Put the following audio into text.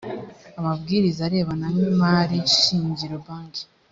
amabwiriza arebana n imari shingiro banki